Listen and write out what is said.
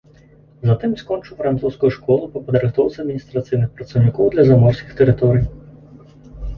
Затым скончыў французскую школу па падрыхтоўцы адміністрацыйных працаўнікоў для заморскіх тэрыторый.